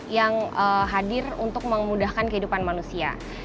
yang hadir untuk memudahkan kehidupan manusia